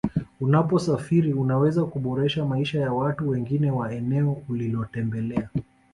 Unaposafiri unaweza kuboresha maisha ya watu wengine wa eneo ulilotembelea